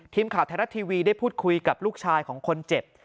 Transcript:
ทีมข่าวไทยรัฐทีวีได้พูดคุยกับลูกชายของคนเจ็บ